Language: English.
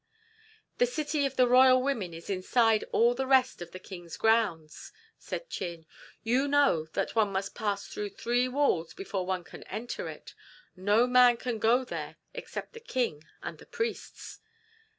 "The city of the royal women is inside all the rest of the king's grounds," said Chin. "You know that one must pass through three walls before one can enter it. No man can go there except the king and the priests."